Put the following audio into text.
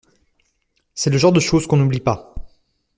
C'est le genre de choses qu'on oublie pas.